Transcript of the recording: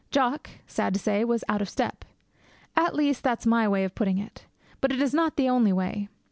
Jock, sad to say, was out of step. At least that is my way of putting it. But it is not the only way.